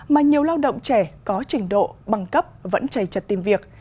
mà nhiều lao động trẻ có trình độ băng cấp vẫn chảy chật tìm việc